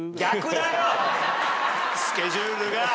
スケジュールが。